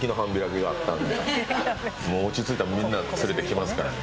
もう落ち着いたらみんな連れてきますからね。